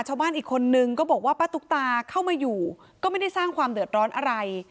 ชาวบ้านอีกคนนึงก็บอกว่าป้าตุ๊กตาเข้ามาอยู่ก็ไม่ได้สร้างความเดือดร้อนอะไร